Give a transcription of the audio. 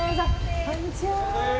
こんにちは。